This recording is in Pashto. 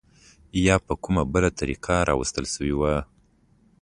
یا په کومه بله طریقه راوستل شوي وو.